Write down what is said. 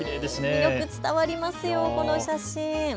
魅力伝わりますよ、この写真。